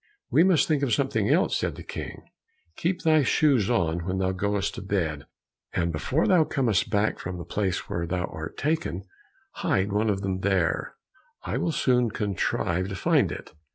"We must think of something else," said the King; "keep thy shoes on when thou goest to bed, and before thou comest back from the place where thou art taken, hide one of them there, I will soon contrive to find it."